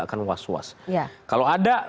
akan was was kalau ada